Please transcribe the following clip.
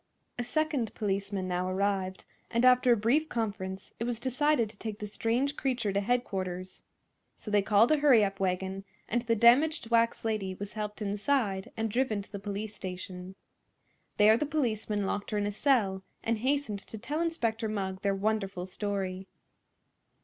A second policeman now arrived, and after a brief conference it was decided to take the strange creature to headquarters. So they called a hurry up wagon, and the damaged wax lady was helped inside and driven to the police station. There the policeman locked her in a cell and hastened to tell Inspector Mugg their wonderful story.